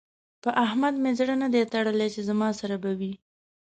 په احمد مې زړه نه دی تړلی چې زما سره به وي.